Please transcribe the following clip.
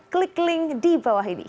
klik link di bawah ini